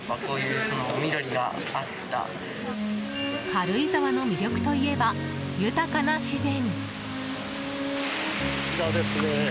軽井沢の魅力といえば豊かな自然。